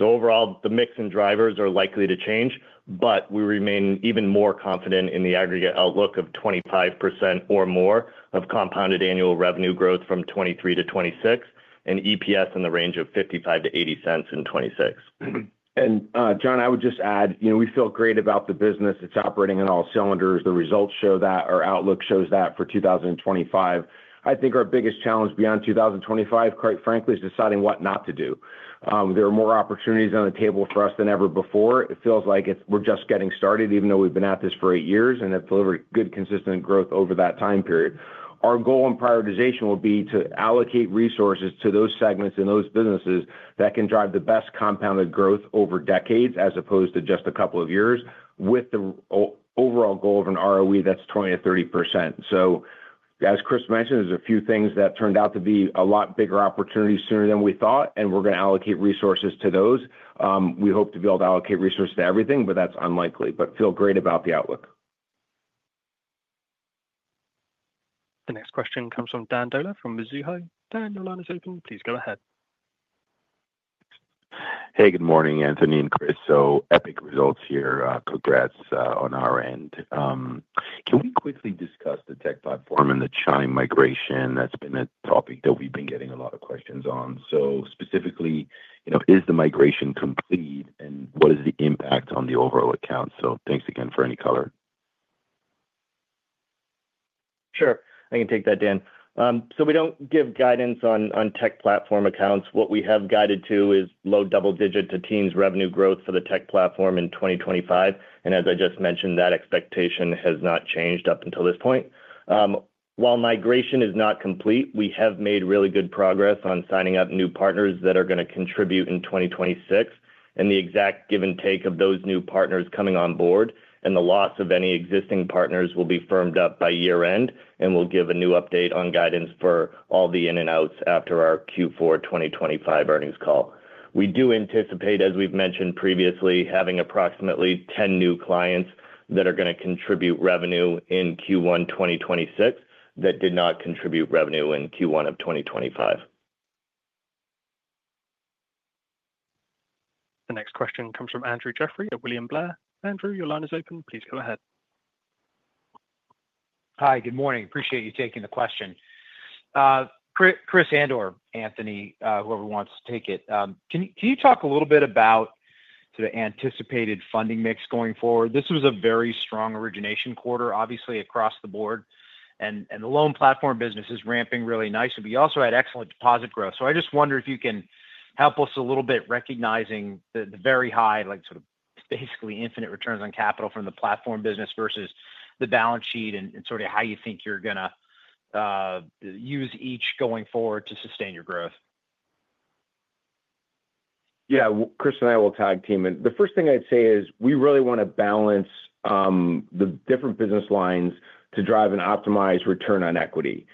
Overall, the mix and drivers are likely to change, but we remain even more confident in the aggregate outlook of 25% or more of compounded annual revenue growth from 2023 to 2026 and EPS in the range of $0.55-$0.80 in 2026. John, I would just add, you know, we feel great about the business. It's operating in all cylinders. The results show that. Our outlook shows that for 2025. I think our biggest challenge beyond 2025, quite frankly, is deciding what not to do. There are more opportunities on the table for us than ever before. It feels like we're just getting started, even though we've been at this for eight years and have delivered good, consistent growth over that time period. Our goal and prioritization will be to allocate resources to those segments and those businesses that can drive the best compounded growth over decades as opposed to just a couple of years, with the overall goal of an ROE that's 20%-30%. As Chris mentioned, there's a few things that turned out to be a lot bigger opportunities sooner than we thought, and we're going to allocate resources to those. We hope to be able to allocate resources to everything, but that's unlikely. Feel great about the outlook. The next question comes from Dan Dolev from Mizuho. Dan, your line is open. Please go ahead. Hey, good morning, Anthony and Chris. Epic results here. Congrats on our end. Can we quickly discuss the tech platform and the Chime migration? That's been a topic that we've been getting a lot of questions on. Specifically, you know, is the migration complete and what is the impact on the overall account? Thanks again for any color. Sure. I can take that, Dan. We don't give guidance on tech platform accounts. What we have guided to is low double-digit to teens revenue growth for the tech platform in 2025. As I just mentioned, that expectation has not changed up until this point. While migration is not complete, we have made really good progress on signing up new partners that are going to contribute in 2026. The exact give and take of those new partners coming on board and the loss of any existing partners will be firmed up by year-end and we will give a new update on guidance for all the in-and-outs after our Q4 2025 earnings call. We do anticipate, as we have mentioned previously, having approximately 10 new clients that are going to contribute revenue in Q1 2026 that did not contribute revenue in Q1 of 2025. The next question comes from Andrew Jeffrey at William Blair. Andrew, your line is open. Please go ahead. Hi, good morning. Appreciate you taking the question. Chris and/or Anthony, whoever wants to take it. Can you talk a little bit about sort of anticipated funding mix going forward? This was a very strong origination quarter, obviously, across the board, and the Loan Platform Business is ramping really nicely. We also had excellent deposit growth. I just wonder if you can help us a little bit recognizing the very high, like sort of basically infinite returns on capital from the platform business versus the balance sheet and sort of how you think you are going to use each going forward to sustain your growth. Yeah, Chris and I will tag team. The first thing I would say is we really want to balance the different business lines to drive an optimized return on equity.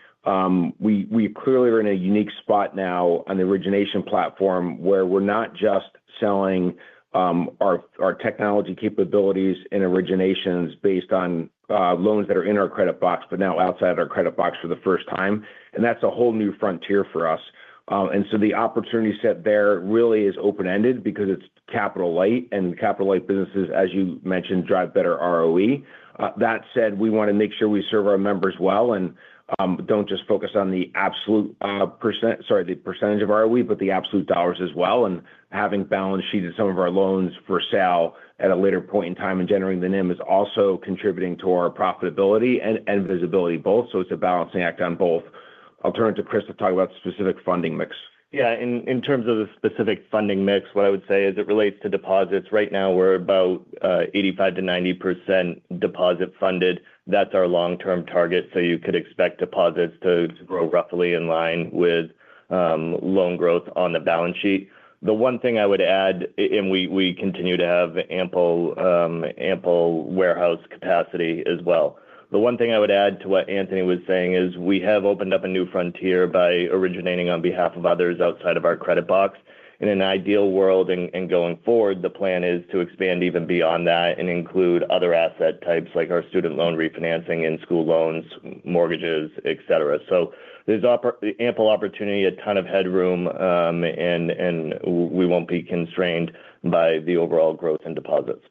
We clearly are in a unique spot now on the origination platform where we are not just selling our technology capabilities and originations based on loans that are in our credit box, but now outside of our credit box for the first time. That is a whole new frontier for us. The opportunity set there really is open-ended because it is capital light, and capital light businesses, as you mentioned, drive better ROE. That said, we want to make sure we serve our members well and do not just focus on the absolute percent, sorry, the percentage of ROE, but the absolute dollars as well. Having balance sheeted some of our loans for sale at a later point in time and generating the NIM is also contributing to our profitability and visibility both. It is a balancing act on both. I will turn it to Chris to talk about the specific funding mix. Yeah, in terms of the specific funding mix, what I would say is it relates to deposits. Right now, we're about 85%-90% deposit funded. That's our long-term target. You could expect deposits to grow roughly in line with loan growth on the balance sheet. The one thing I would add, we continue to have ample warehouse capacity as well. The one thing I would add to what Anthony was saying is we have opened up a new frontier by originating on behalf of others outside of our credit box. In an ideal world and going forward, the plan is to expand even beyond that and include other asset types like our student loan refinancing and school loans, mortgages, et cetera. There is ample opportunity, a ton of headroom, and we will not be constrained by the overall growth in deposits.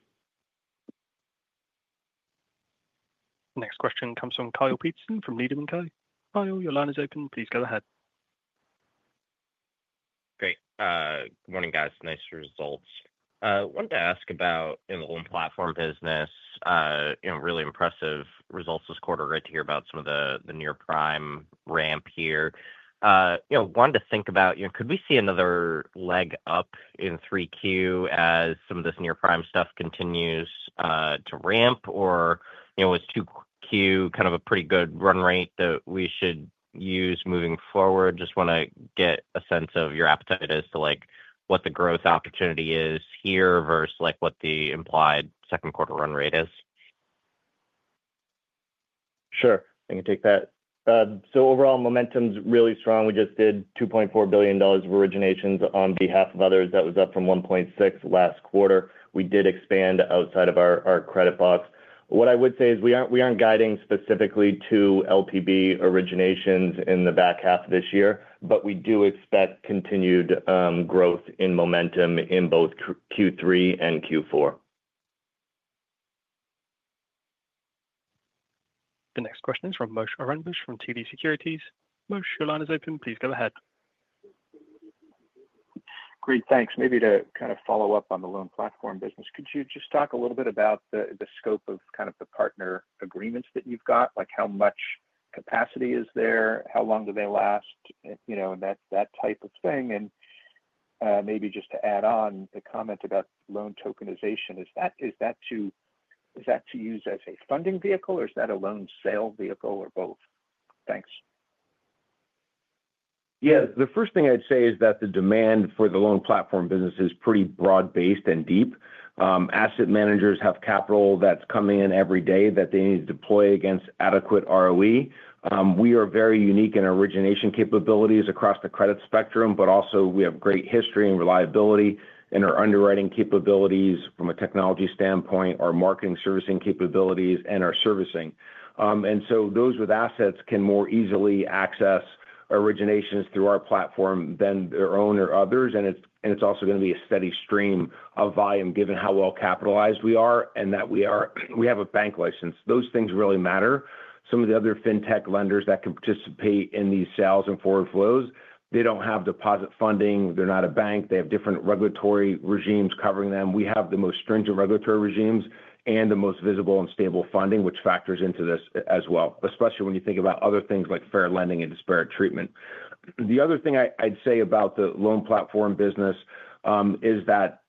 The next question comes from Kyle Peterson from Needham & Co. Kyle, your line is open. Please go ahead. Great. Good morning, guys. Nice results. I wanted to ask about in the Loan Platform Business. Really impressive results this quarter. Great to hear about some of the near-price ramp here. I wanted to think about, could we see another leg up in 3Q as some of this near-price stuff continues to ramp, or was 2Q kind of a pretty good run rate that we should use moving forward? Just want to get a sense of your appetite as to what the growth opportunity is here versus what the implied second quarter run rate is? Sure. I can take that. Overall, momentum is really strong. We just did $2.4 billion of originations on behalf of others. That was up from $1.6 billion last quarter. We did expand outside of our credit box. What I would say is we are not guiding specifically to LPB originations in the back half of this year, but we do expect continued growth in momentum in both Q3 and Q4. The next question is from Moshe Orenbuch from TD Securities. Moshe, your line is open. Please go ahead. Great. Thanks. Maybe to kind of follow up on the Loan Platform Business, could you just talk a little bit about the scope of the partner agreements that you've got? Like how much capacity is there? How long do they last? That type of thing. Maybe just to add on the comment about loan tokenization, is that to use as a funding vehicle, or is that a loan sale vehicle, or both? Thanks. Yeah, the first thing I would say is that the demand for the Loan Platform Business is pretty broad-based and deep. Asset managers have capital that is coming in every day that they need to deploy against adequate ROE. We are very unique in origination capabilities across the credit spectrum, but also we have great history and reliability in our underwriting capabilities from a technology standpoint, our marketing servicing capabilities, and our servicing. Those with assets can more easily access originations through our platform than their own or others. It is also going to be a steady stream of volume given how well capitalized we are and that we have a bank license. Those things really matter. Some of the other fintech lenders that can participate in these sales and forward flows, they do not have deposit funding. They are not a bank. They have different regulatory regimes covering them. We have the most stringent regulatory regimes and the most visible and stable funding, which factors into this as well, especially when you think about other things like fair lending and disparate treatment. The other thing I would say about the Loan Platform Business is that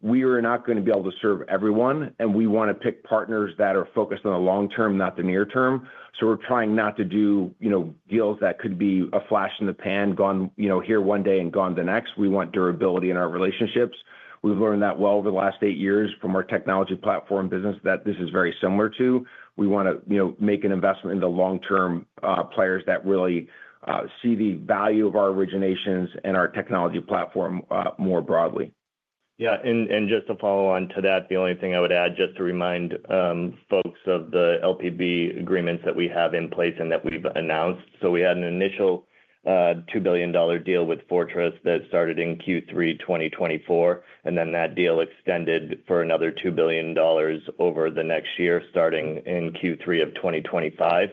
we are not going to be able to serve everyone, and we want to pick partners that are focused on the long term, not the near term. We are trying not to do deals that could be a flash in the pan, here one day and gone the next. We want durability in our relationships. We have learned that well over the last eight years from our technology platform business that this is very similar to. We want to make an investment in the long-term players that really see the value of our originations and our technology platform more broadly. Yeah. Just to follow on to that, the only thing I would add just to remind folks of the LPB agreements that we have in place and that we have announced. We had an initial $2 billion deal with Fortress that started in Q3 2024, and then that deal extended for another $2 billion over the next year, starting in Q3 of 2025.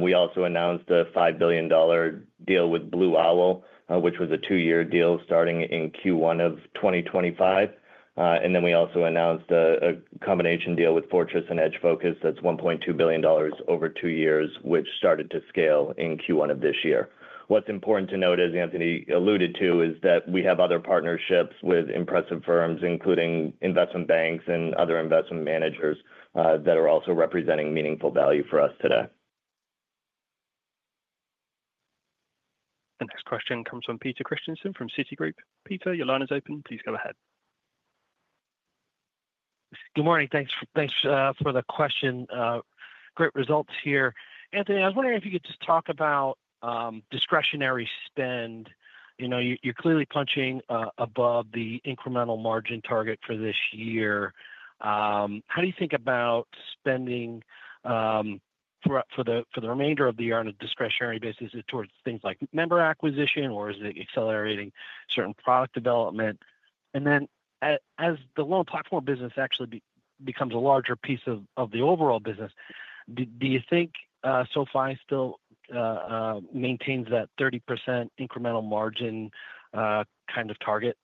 We also announced a $5 billion deal with Blue Owl, which was a two-year deal starting in Q1 of 2025. We also announced a combination deal with Fortress and Edge Focus that is $1.2 billion over two years, which started to scale in Q1 of this year. What is important to note, as Anthony alluded to, is that we have other partnerships with impressive firms, including investment banks and other investment managers that are also representing meaningful value for us today. The next question comes from Peter Christiansen from Citigroup. Peter, your line is open. Please go ahead. Good morning. Thanks for the question. Great results here. Anthony, I was wondering if you could just talk about discretionary spend. You're clearly punching above the incremental margin target for this year. How do you think about spending for the remainder of the year on a discretionary basis? Is it towards things like member acquisition, or is it accelerating certain product development? As the Loan Platform Business actually becomes a larger piece of the overall business, do you think SoFi still maintains that 30% incremental margin kind of target?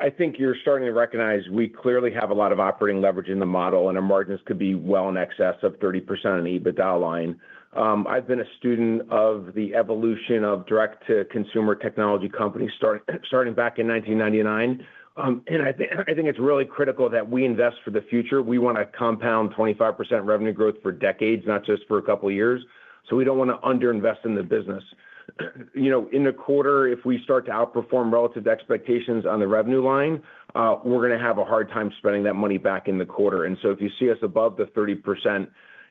I think you're starting to recognize we clearly have a lot of operating leverage in the model, and our margins could be well in excess of 30% on the EBITDA line. I've been a student of the evolution of direct-to-consumer technology companies starting back in 1999. I think it's really critical that we invest for the future. We want to compound 25% revenue growth for decades, not just for a couple of years. We don't want to underinvest in the business. In a quarter, if we start to outperform relative expectations on the revenue line, we're going to have a hard time spending that money back in the quarter. If you see us above the 30%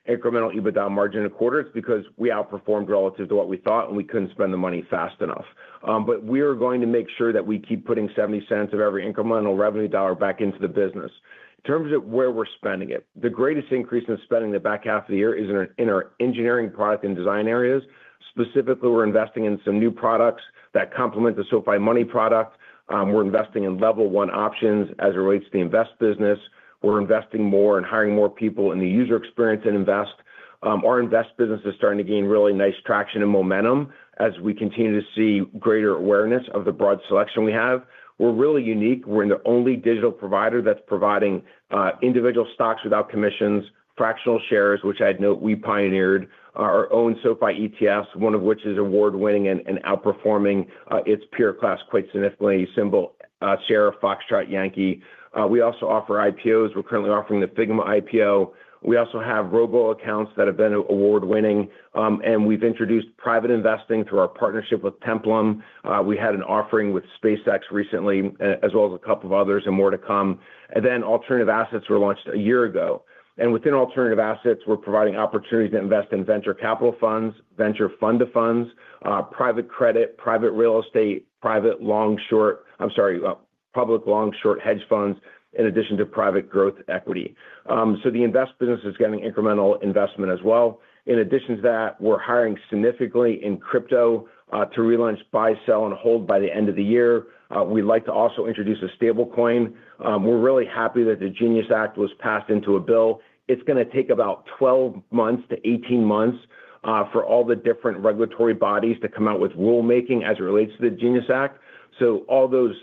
incremental EBITDA margin in a quarter, it's because we outperformed relative to what we thought, and we couldn't spend the money fast enough. We are going to make sure that we keep putting $0.70 of every incremental revenue dollar back into the business. In terms of where we're spending it, the greatest increase in spending the back half of the year is in our engineering, product, and design areas. Specifically, we're investing in some new products that complement the SoFi Money product. We're investing in level one options as it relates to the invest business. We're investing more and hiring more people in the user experience and invest. Our invest business is starting to gain really nice traction and momentum as we continue to see greater awareness of the broad selection we have. We're really unique. We're the only digital provider that's providing individual stocks without commissions, fractional shares, which I'd note we pioneered, our own SoFi ETFs, one of which is award-winning and outperforming its peer class quite significantly, a symbol share of Foxtrot Yankee. We also offer IPOs. We're currently offering the Figma IPO. We also have robo accounts that have been award-winning. We've introduced private investing through our partnership with Templum. We had an offering with SpaceX recently, as well as a couple of others and more to come. Alternative assets were launched a year ago. Within alternative assets, we're providing opportunities to invest in venture capital funds, venture funded funds, private credit, private real estate, public long-short hedge funds, in addition to private growth equity. The invest business is getting incremental investment as well. In addition to that, we're hiring significantly in crypto to relaunch buy, sell, and hold by the end of the year. We'd like to also introduce a stablecoin. We're really happy that the Genius Act was passed into a bill. It's going to take about 12 months-18 months for all the different regulatory bodies to come out with rulemaking as it relates to the Genius Act. All those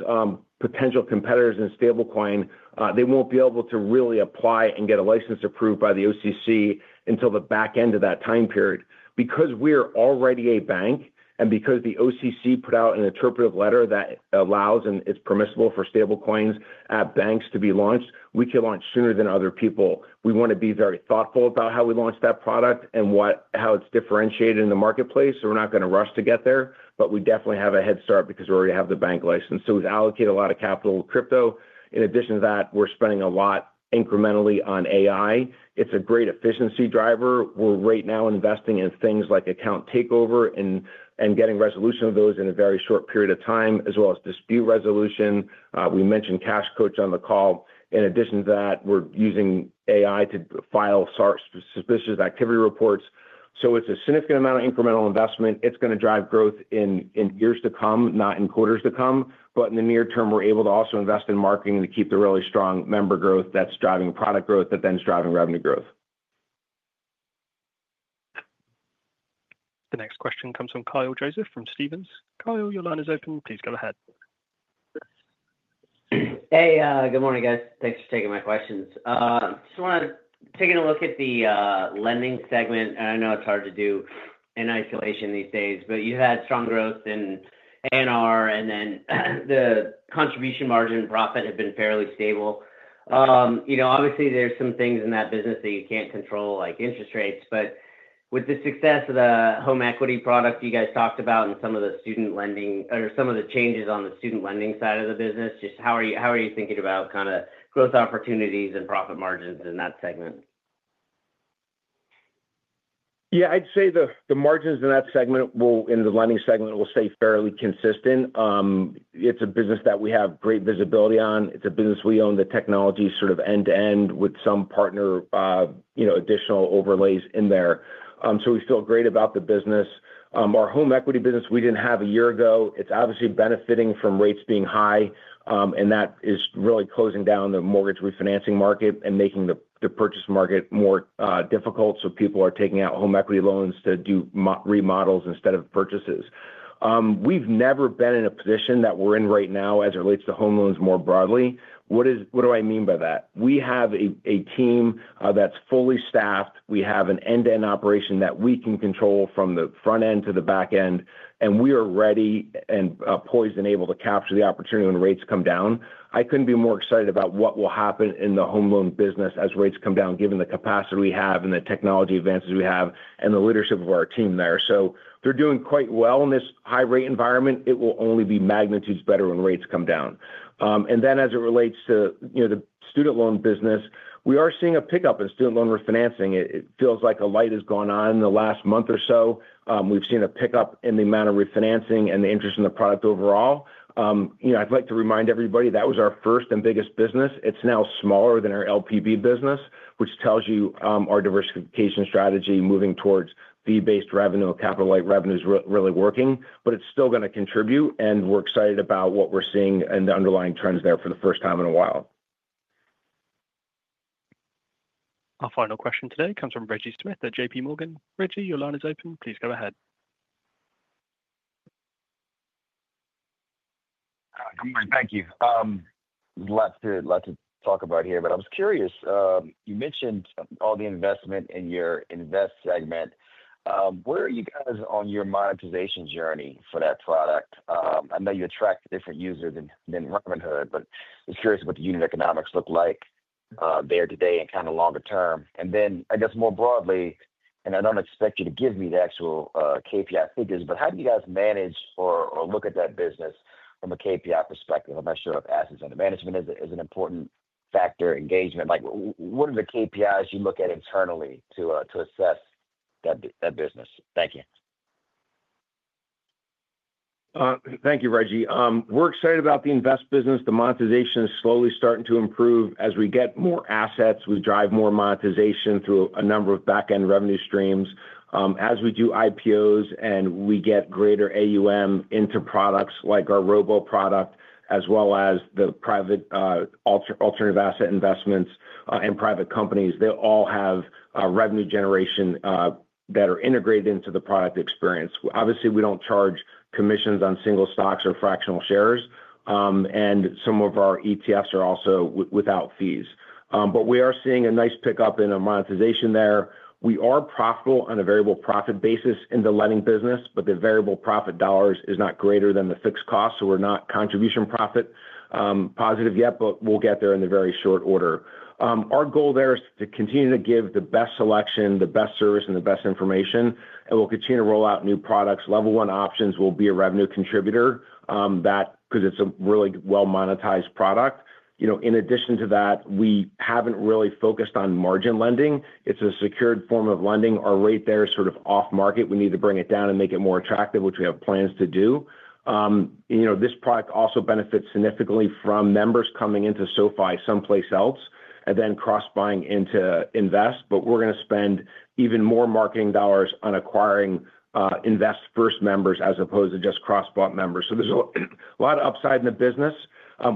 potential competitors in stablecoin, they won't be able to really apply and get a license approved by the OCC until the back end of that time period. Because we're already a bank and because the OCC put out an interpretive letter that allows and is permissible for stablecoins at banks to be launched, we can launch sooner than other people. We want to be very thoughtful about how we launch that product and how it's differentiated in the marketplace. We're not going to rush to get there, but we definitely have a head start because we already have the bank license. We've allocated a lot of capital to crypto. In addition to that, we're spending a lot incrementally on AI. It's a great efficiency driver. We're right now investing in things like account takeover and getting resolution of those in a very short period of time, as well as dispute resolution. We mentioned Cash Coach on the call. In addition to that, we're using AI to file suspicious activity reports. It's a significant amount of incremental investment. It's going to drive growth in years to come, not in quarters to come. In the near term, we're able to also invest in marketing to keep the really strong member growth that's driving product growth that then is driving revenue growth. The next question comes from Kyle Joseph from Stephens. Kyle, your line is open. Please go ahead. Hey, good morning, guys. Thanks for taking my questions. Just wanted to take a look at the lending segment. I know it's hard to do in isolation these days, but you've had strong growth in A&R, and then the contribution margin profit has been fairly stable. Obviously, there's some things in that business that you can't control, like interest rates. But with the success of the home equity product you guys talked about and some of the student lending or some of the changes on the student lending side of the business, just how are you thinking about kind of growth opportunities and profit margins in that segment? Yeah, I'd say the margins in that segment, in the lending segment, will stay fairly consistent. It's a business that we have great visibility on. It's a business we own the technology sort of end-to-end with some partner. Additional overlays in there. So we feel great about the business. Our home equity business, we didn't have a year ago. It's obviously benefiting from rates being high. And that is really closing down the mortgage refinancing market and making the purchase market more difficult. People are taking out home equity loans to do remodels instead of purchases. We've never been in a position that we're in right now as it relates to home loans more broadly. What do I mean by that? We have a team that's fully staffed. We have an end-to-end operation that we can control from the front end to the back end. We are ready and poised and able to capture the opportunity when rates come down. I couldn't be more excited about what will happen in the home loan business as rates come down, given the capacity we have and the technology advances we have and the leadership of our team there. They're doing quite well in this high-rate environment. It will only be magnitudes better when rates come down. As it relates to the student loan business, we are seeing a pickup in student loan refinancing. It feels like a light has gone on in the last month or so. We've seen a pickup in the amount of refinancing and the interest in the product overall. I'd like to remind everybody that was our first and biggest business. It's now smaller than our LPB business, which tells you our diversification strategy moving towards fee-based revenue, capital-like revenues really working. It's still going to contribute, and we're excited about what we're seeing and the underlying trends there for the first time in a while. Our final question today comes from Reggie Smith at JPMorgan. Reggie, your line is open. Please go ahead. Good morning. Thank you. Lots to talk about here, but I was curious. You mentioned all the investment in your invest segment. Where are you guys on your monetization journey for that product? I know you attract different users than Robinhood, but I was curious what the unit economics look like there today and kind of longer term. Then, I guess, more broadly, and I do not expect you to give me the actual KPI figures, but how do you guys manage or look at that business from a KPI perspective? I am not sure if assets and management is an important factor or engagement. What are the KPIs you look at internally to assess that business? Thank you. Thank you, Reggie. We are excited about the invest business. The monetization is slowly starting to improve. As we get more assets, we drive more monetization through a number of back-end revenue streams. As we do IPOs and we get greater AUM into products like our robo product, as well as the private alternative asset investments and private companies, they all have revenue generation that are integrated into the product experience. Obviously, we do not charge commissions on single stocks or fractional shares. Some of our ETFs are also without fees. We are seeing a nice pickup in our monetization there. We are profitable on a variable profit basis in the lending business, but the variable profit dollars is not greater than the fixed cost, so we are not contribution profit positive yet, but we will get there in very short order. Our goal there is to continue to give the best selection, the best service, and the best information. We will continue to roll out new products. Level one options will be a revenue contributor because it is a really well-monetized product. In addition to that, we have not really focused on margin lending. It is a secured form of lending. Our rate there is sort of off-market. We need to bring it down and make it more attractive, which we have plans to do. This product also benefits significantly from members coming into SoFi someplace else and then cross-buying into Invest, but we are going to spend even more marketing dollars on acquiring Invest First members as opposed to just cross-bought members. There is a lot of upside in the business.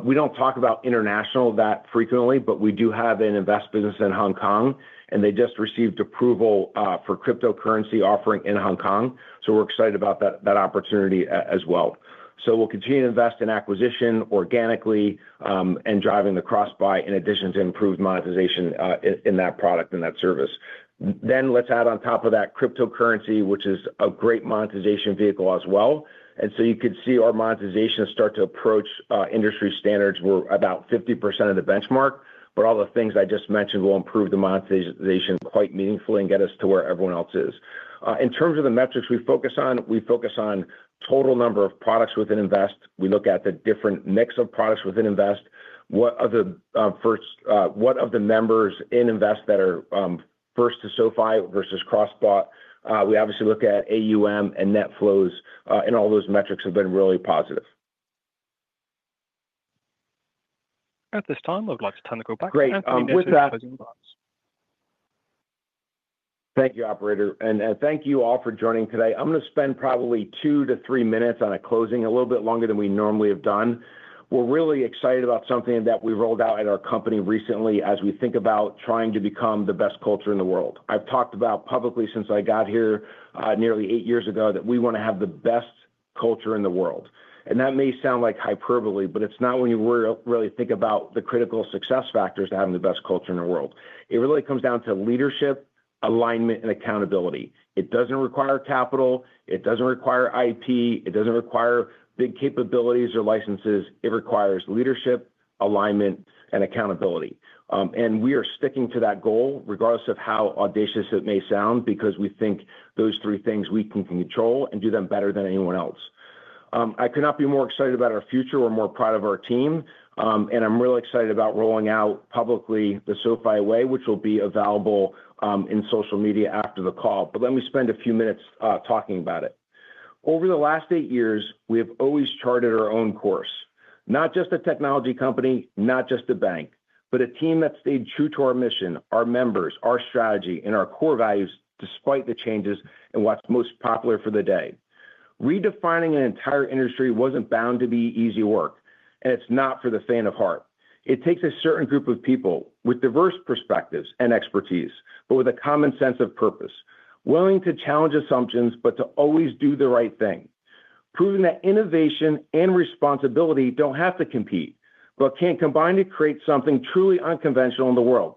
We do not talk about international that frequently, but we do have an invest business in Hong Kong, and they just received approval for cryptocurrency offering in Hong Kong. We are excited about that opportunity as well. We will continue to invest in acquisition organically and driving the cross-buy in addition to improved monetization in that product and that service. Let's add on top of that cryptocurrency, which is a great monetization vehicle as well. You could see our monetization start to approach industry standards. We're about 50% of the benchmark, but all the things I just mentioned will improve the monetization quite meaningfully and get us to where everyone else is. In terms of the metrics we focus on, we focus on total number of products within Invest. We look at the different mix of products within Invest. What of the members in Invest that are first to SoFi versus cross-bought? We obviously look at AUM and net flows, and all those metrics have been really positive. At this time, I would like to turn the call back to the presentation. Great. With that, thank you, operator. Thank you all for joining today. I'm going to spend probably two to three minutes on a closing, a little bit longer than we normally have done. We're really excited about something that we rolled out at our company recently as we think about trying to become the best culture in the world. I've talked about publicly since I got here nearly eight years ago that we want to have the best culture in the world. That may sound like hyperbole, but it's not when you really think about the critical success factors to having the best culture in the world. It really comes down to leadership, alignment, and accountability. It doesn't require capital. It doesn't require IP. It doesn't require big capabilities or licenses. It requires leadership, alignment, and accountability. We are sticking to that goal, regardless of how audacious it may sound, because we think those three things we can control and do them better than anyone else. I could not be more excited about our future. We're more proud of our team. I'm really excited about rolling out publicly the SoFi way, which will be available in social media after the call. Let me spend a few minutes talking about it. Over the last eight years, we have always charted our own course. Not just a technology company, not just a bank, but a team that stayed true to our mission, our members, our strategy, and our core values despite the changes and what's most popular for the day. Redefining an entire industry wasn't bound to be easy work. It's not for the faint of heart. It takes a certain group of people with diverse perspectives and expertise, but with a common sense of purpose, willing to challenge assumptions, but to always do the right thing. Proving that innovation and responsibility do not have to compete, but can combine to create something truly unconventional in the world.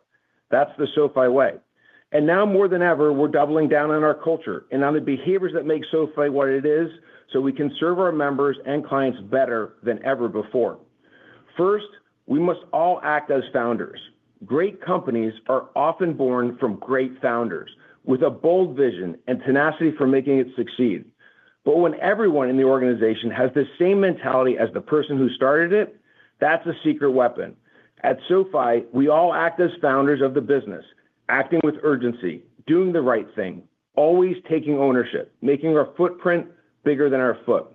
That is the SoFi way. Now more than ever, we are doubling down on our culture and on the behaviors that make SoFi what it is so we can serve our members and clients better than ever before. First, we must all act as founders. Great companies are often born from great founders with a bold vision and tenacity for making it succeed. When everyone in the organization has the same mentality as the person who started it, that is a secret weapon. At SoFi, we all act as founders of the business, acting with urgency, doing the right thing, always taking ownership, making our footprint bigger than our foot.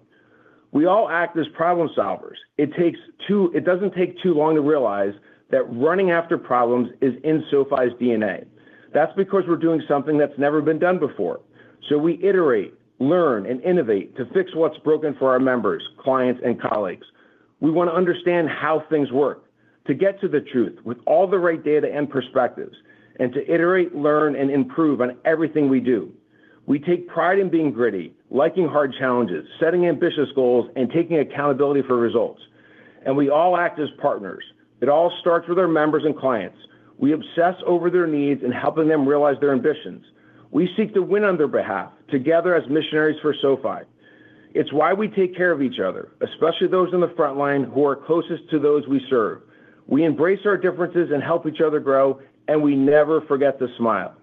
We all act as problem solvers. It does not take too long to realize that running after problems is in SoFi's DNA. That is because we are doing something that has never been done before. We iterate, learn, and innovate to fix what is broken for our members, clients, and colleagues. We want to understand how things work to get to the truth with all the right data and perspectives, and to iterate, learn, and improve on everything we do. We take pride in being gritty, liking hard challenges, setting ambitious goals, and taking accountability for results. We all act as partners. It all starts with our members and clients. We obsess over their needs and helping them realize their ambitions. We seek to win on their behalf together as missionaries for SoFi. It is why we take care of each other, especially those on the front line who are closest to those we serve. We embrace our differences and help each other grow, and we never forget to smile.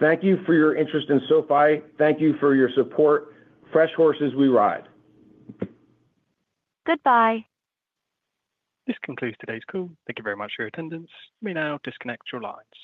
Thank you for your interest in SoFi. Thank you for your support. Fresh horses we ride. Goodbye. This concludes today's call. Thank you very much for your attendance. You may now disconnect your lines.